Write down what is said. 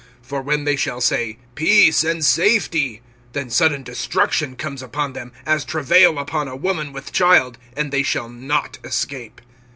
(3)For when they shall say, Peace and safety, then sudden destruction comes upon them, as travail upon a woman with child; and they shall not escape.